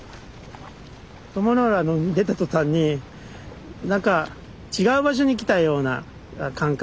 鞆の浦に出た途端になんか違う場所に来たような感覚。